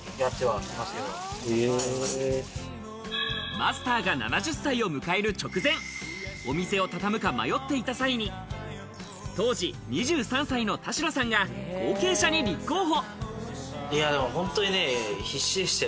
マスターが７０歳を迎える直前、お店をたたむか迷っていた際に当時２３歳の田代さんが後継者に立候補。